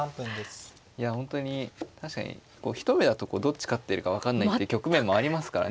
いや本当に確かに一目だとどっち勝ってるか分かんないって局面もありますからね。